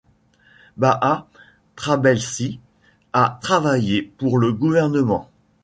Bahaa Trabelsi a travaillé pour le gouvernement.